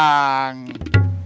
bikin kaget saya aja